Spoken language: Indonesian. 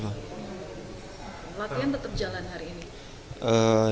latihan tetap jalan hari ini